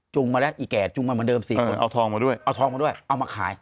มาแล้วอีแก่จุงมาเหมือนเดิม๔คนเอาทองมาด้วยเอาทองมาด้วยเอามาขาย